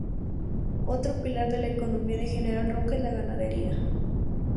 Otro pilar de la economía de General Roca es la ganadería.